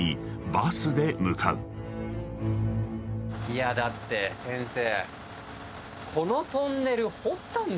いやだって先生。